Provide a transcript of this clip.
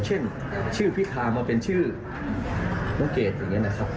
เช่นชื่อพิธามาเป็นชื่อน้องเกดอย่างนี้นะครับ